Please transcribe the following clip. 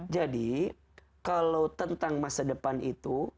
jadi kalau tentang masa depan itu